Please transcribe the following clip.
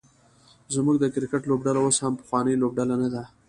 زمونږ د کرکټ لوبډله اوس هغه پخوانۍ لوبډله نده